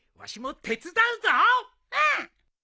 うん！